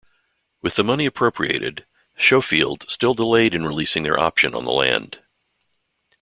With the money appropriated, Schofield still delayed in releasing their option on the land.